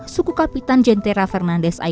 suku kapitan jentera fernandes aikunis